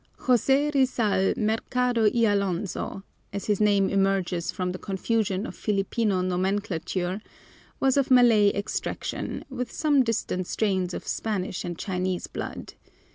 José Rizal Mercado y Alonso, as his name emerges from the confusion of Filipino nomenclature, was of Malay extraction, with some distant strains of Spanish and Chinese blood.